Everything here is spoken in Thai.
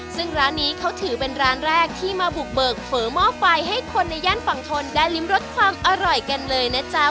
ซึ่งร้านนี้เขาถือเป็นร้านแรกที่มาบุกเบิกเฝอหม้อไฟให้คนในย่านฝั่งทนได้ริมรสความอร่อยกันเลยนะจ๊ะ